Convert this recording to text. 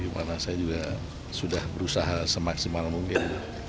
karena saya juga sudah berusaha semaksimal mungkin